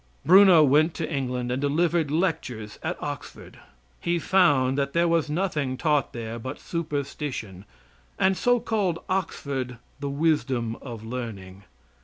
Bruno went to England and delivered lectures at Oxford. He found that there was nothing taught there but superstition, and so called Oxford the "wisdom of learning."